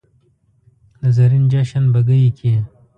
د زرین جشن بګۍ کې